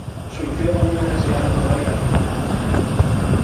Surgió como una necesidad natural en las reuniones vecinales.